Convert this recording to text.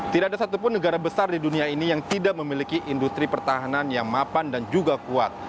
tidak ada satupun negara besar di dunia ini yang tidak memiliki industri pertahanan yang mapan dan juga kuat